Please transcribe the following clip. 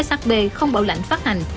shb không bảo lãnh phát hành